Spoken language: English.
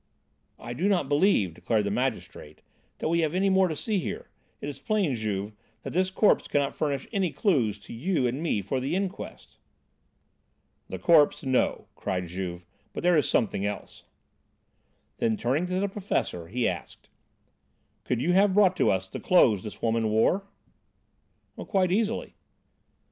"I do not believe," declared the magistrate, "that we have any more to see here. It is plain, Juve, that this corpse cannot furnish any clues to you and me for the inquest." "The corpse, no," cried Juve, "but there is something else." Then, turning to the professor, he asked: "Could you have brought to us the clothes this woman wore?" "Quite easily."